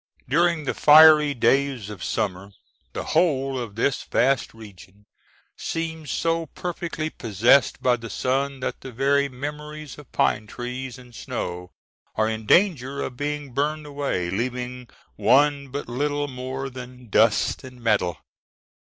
During the fiery days of summer the whole of this vast region seems so perfectly possessed by the sun that the very memories of pine trees and snow are in danger of being burned away, leaving one but little more than dust and metal.